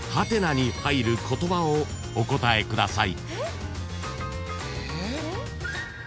「？」に入る言葉をお答えください。